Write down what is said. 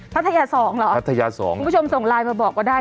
ทัพยา๒หรอทัพยา๒น่ะคุณผู้ชมส่งไลน์มาบอกกว่าได้นะคะ